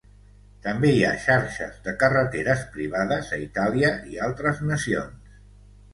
També hi ha xarxes de carreteres privades a Itàlia i altres nacions.